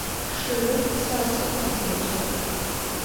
Шыур пшъашъэу къычӏэкӏыгъ.